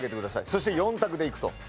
そして４択でいくと。